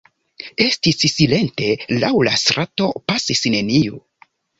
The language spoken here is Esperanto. Estis silente, laŭ la strato pasis neniu.